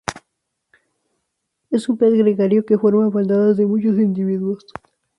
Es un pez gregario que forma bandadas de muchos individuos.